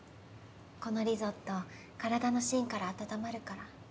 このリゾット体の芯から温まるから。